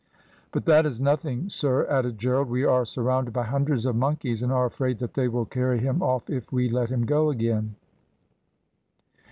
"`But that is nothing, sir,' added Gerald. `We are surrounded by hundreds of monkeys, and are afraid that they will carry him off if we let him go again.'